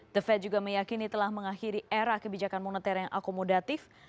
the fed juga meyakini telah mengakhiri era kebijakan moneter yang akomodatif